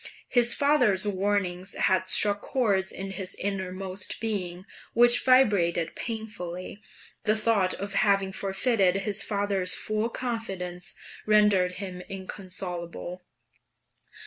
His father's warnings had struck chords in his innermost being, which vibrated painfully; the thought of having forfeited his father's full confidence rendered him inconsolable.